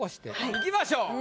いきましょう。